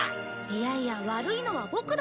いやいや悪いのはボクだよ。